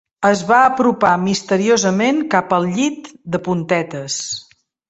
Es va apropar misteriosament cap al llit de puntetes.